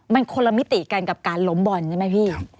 มันคนละมิติกันกับการล้มบอลใช่ไหมพี่